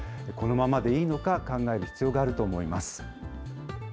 このままでいいのか、考える必要があると思います。